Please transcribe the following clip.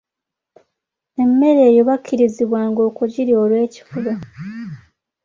Emmere eyo bakkirizibwanga okugirya olw’ekifuba.